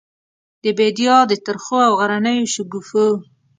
د بیدیا د ترخو او غرنیو شګوفو،